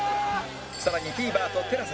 更に ＴＶｅｒ と ＴＥＬＡＳＡ では